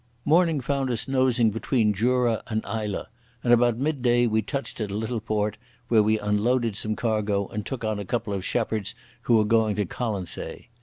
Morning found us nosing between Jura and Islay, and about midday we touched at a little port, where we unloaded some cargo and took on a couple of shepherds who were going to Colonsay.